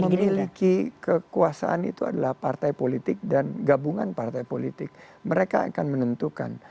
memiliki kekuasaan itu adalah partai politik dan gabungan partai politik mereka akan menentukan